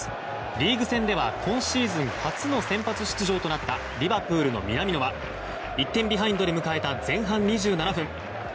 リーグ戦では今シーズン初の先発出場となったリバプールの南野は１点ビハインドで迎えた前半２７分。